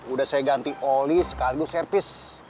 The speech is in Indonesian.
udah saya ganti oli sekarang itu servis